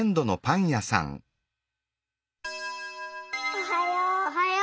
おはよう。